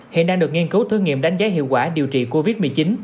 hiện đang được nghiên cứu thử nghiệm đánh giá hiệu quả điều trị covid một mươi chín